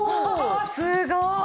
すごい！